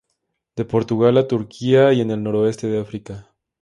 De Portugal a Turquía y en el noroeste de África.